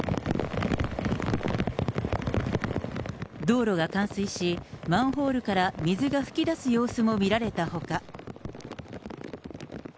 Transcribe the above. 道路が冠水し、マンホールから水が噴き出す様子も見られたほか。